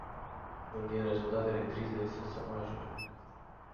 Unul din rezultatele crizei este șomajul.